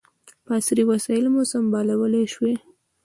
په عصري وسلو مو سمبالولای سوای.